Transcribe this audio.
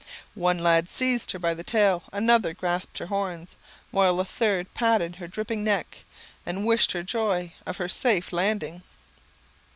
One lad seized her by the tail, another grasped her horns, while a third patted her dripping neck, and wished her joy of her safe landing.